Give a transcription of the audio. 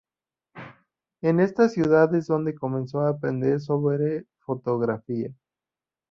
En esta ciudad es donde comenzó a aprender sobre fotografía.